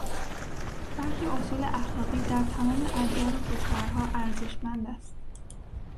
برخی اصول اخلاقی در تمام ادوار و کشورها ارزشمند است.